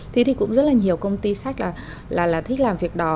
thế thì cũng rất là nhiều công ty sách là thích làm việc đó